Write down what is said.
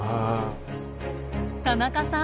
田中さん